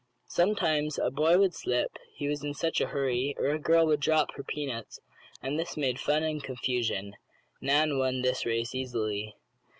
Sometimes a boy would slip, he was in such a hurry, or a girl would drop her peanuts, and this made fun and confusion. Nan won this race easily.